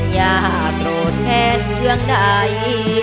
อย่าโกรธแทนเรื่องใด